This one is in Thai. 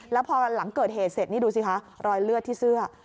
แล้วพอหลังเกิดเหตุเสร็จนี่ดูสิคะรอยเลือดที่เสื้อ